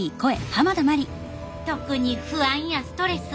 特に不安やストレス。